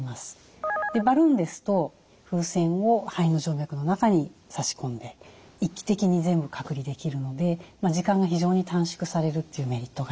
バルーンですと風船を肺の静脈の中に差し込んで一気的に全部隔離できるので時間が非常に短縮されるというメリットがあります。